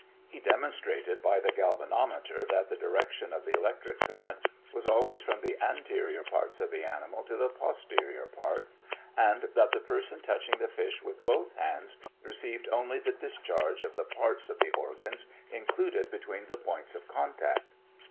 He demonstrated by the galvanometer that the direction of the electric current was always from the anterior parts of the animal to the posterior parts, and that the person touching the fish with both hands received only the discharge of the parts of the organs included between the points of contact.